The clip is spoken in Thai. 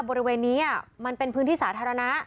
บริเวณนี้มันเป็นพื้นที่สาธารณะ